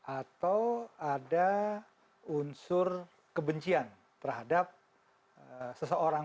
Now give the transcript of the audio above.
atau ada unsur kebencian terhadap seseorang